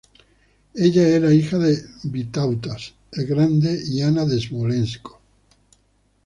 Ella era hija de Vitautas el Grande y Ana de Smolensk.